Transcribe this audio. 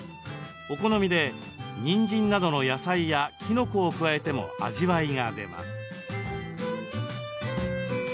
お好みで、にんじんなどの野菜やきのこを加えても味わいが出ます。